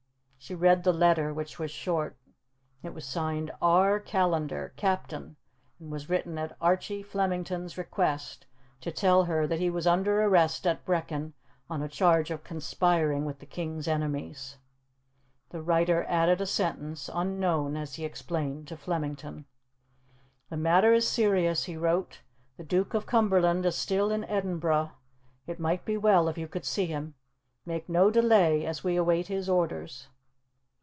She read the letter, which was short. It was signed 'R. Callandar, Captain,' and was written at Archie Flemington's request to tell her that he was under arrest at Brechin on a charge of conspiring with the king's enemies. The writer added a sentence, unknown, as he explained, to Flemington. "The matter is serious," he wrote, "the Duke of Cumberland is still in Edinburgh. It might be well if you could see him. Make no delay, as we await his orders."